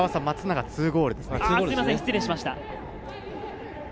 松永は２ゴールです。